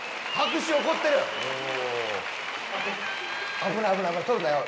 危ない危ない危ない取るなよ。